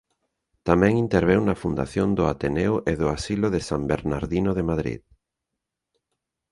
Tamén interveu na fundación do Ateneo e do Asilo de San Bernardino de Madrid.